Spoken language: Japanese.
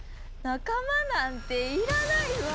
仲間なんていらないわ。